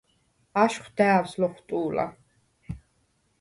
აშხვ და̄̈ვს ლოხვტუ̄ლა: